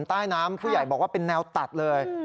ใต้น้ำผู้ใหญ่บอกว่าเป็นแนวตัดเลย